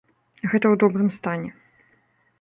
Гэта ў добрым стане.